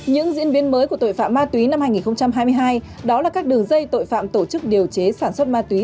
những diễn biến mới của tội phạm ma túy năm hai nghìn hai mươi hai đó là các đường dây tội phạm tổ chức điều chế sản xuất ma túy